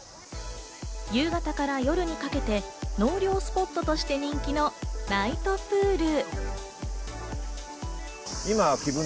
夕方から夜にかけて納涼スポットとして人気のナイトプール。